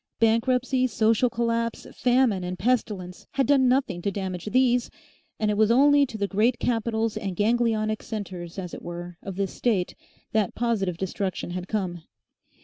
Bankruptcy, social collapse, famine, and pestilence had done nothing to damage these, and it was only to the great capitals and ganglionic centres, as it were, of this State, that positive destruction had come.